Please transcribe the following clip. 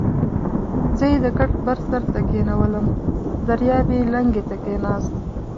زه یې د کټ بر سر ته کېنولم، دریاب یې لنګې ته کېناست.